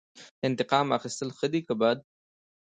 انتقام اخیستل ښه دي که بد؟